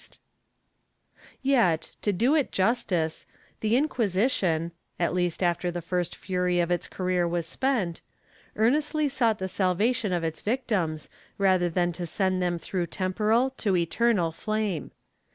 196 2'^^ STAKE [Book VII Yet, to do it justice, the Inquisition — at least after the first fury of its career was spent — earnestly sought the salvation of its victims, rather than to send them through temporal to eternal flame.